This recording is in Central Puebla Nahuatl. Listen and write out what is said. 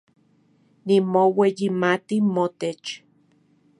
Nimoueyimati motech